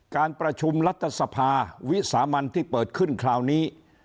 การประชุมรัฐสภาวิสามันที่เปิดขึ้นคราวนี้